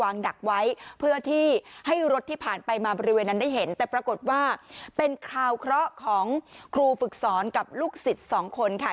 ในริเวณนั้นได้เห็นแต่ปรากฏว่าเป็นคราวเคราะห์ของครูฝึกสอนกับลูกสิทธิ์สองคนค่ะ